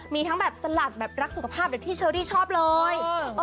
มีทั้งแบบสลัดแบบรักสุขภาพแบบที่เชอรี่ชอบเลย